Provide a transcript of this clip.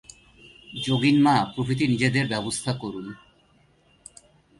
যোগীন-মা প্রভৃতি নিজেদের ব্যবস্থা করুন।